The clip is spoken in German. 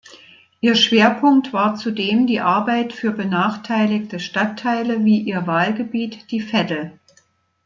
Ihr Schwerpunkt war zudem die Arbeit für benachteiligte Stadtteile wie ihr Wahlgebiet die Veddel.